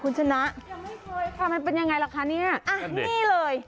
คุณชนะยังไม่เคยค่ะมันเป็นยังไงหรอกคะเนี้ยอย่างนี้เลย